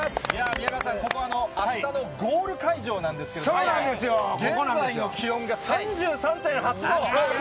宮川さん、ここはあしたのゴール会場なんですけど、現在の気温が３３．８度。